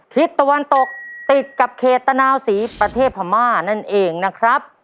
ทิศตะวันตกติดกับเขตตะนาวศรีประเทศพม่านั่นเองนะครับ